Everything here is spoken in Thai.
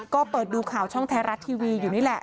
ก็เปิดดูข่าวช่องไทยรัฐทีวีอยู่นี่แหละ